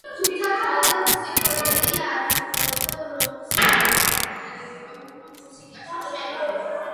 თუმცა, თავად ფსიქოდელია არა მხოლოდ როკს, არამედ ელექტრონულ მუსიკასაც შეეხო.